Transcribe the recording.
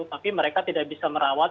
tapi mereka tidak bisa merawat